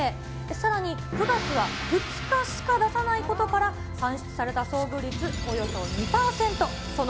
さらに９月は２日しか出さないことから、算出された遭遇率およそ２％。